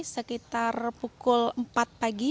sekitar pukul empat pagi